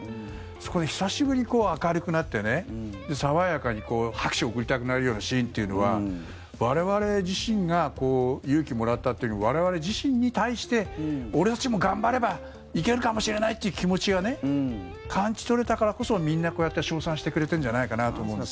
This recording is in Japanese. そこで久しぶりに明るくなって爽やかに拍手を送りたくなるようなシーンというのは我々自身が勇気をもらったというより我々自身に対して俺たちも頑張れば行けるかもしれないという気持ちが感じ取れたからこそみんなこうやって称賛してくれてるんじゃないかなと思うんですよ。